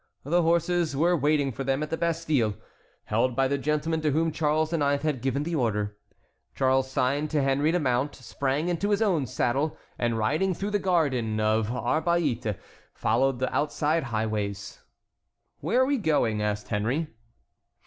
The horses were waiting for them at the Bastille, held by the gentlemen to whom Charles IX. had given the order. Charles signed to Henry to mount, sprang into his own saddle, and riding through the garden of the Arbalite, followed the outside highways. "Where are we going?" asked Henry.